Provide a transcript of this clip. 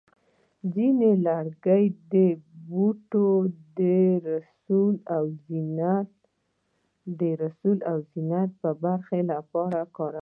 ځینې لرګي د بوټانو د سول او زینتي برخو لپاره کارېږي.